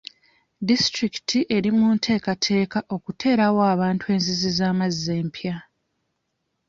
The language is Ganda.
Disitulikiti eri munteekateeka okuteerawo abantu enzizi z'amazzi empya.